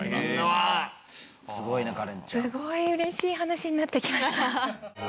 すごいうれしい話になってきました。